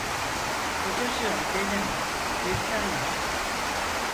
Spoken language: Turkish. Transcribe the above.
Kocacığım benim, bir tanem…